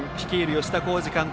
吉田洸二監督